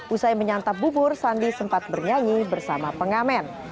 usai menyantap bubur sandi sempat bernyanyi bersama pengamen